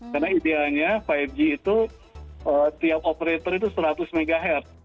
karena idealnya lima g itu tiap operator itu seratus mhz